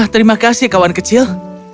terima kasih kawan kecil